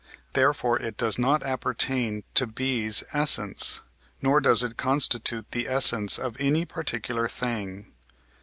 Therefore it does not appertain to B's essence, nor does it constitute the essence of any particular thing.